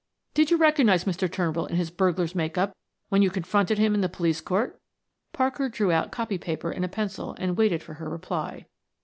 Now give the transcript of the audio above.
"Did you recognize Mr. Turnbull in his burglar's make up when you confronted him in the police court?" Parker drew out copy paper and a pencil, and waited for her reply.